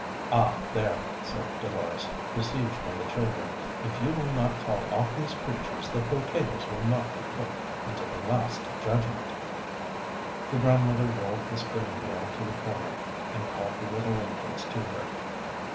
"Ah! there," said Dolores, besieged by the children, "if you will not call off these creatures, the potatoes will not be cooked until the Last Judgment." The grandmother rolled the spinning wheel to the corner, and called the little infants to her.